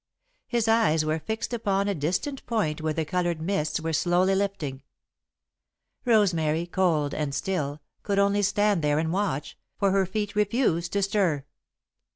His eyes were fixed upon a distant point where the coloured mists were slowly lifting. Rosemary, cold and still, could only stand there and watch, for her feet refused to stir.